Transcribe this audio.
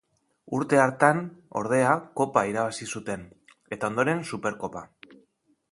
Urte hartan ordea Kopa irabazi zuen eta ondoren Superkopa.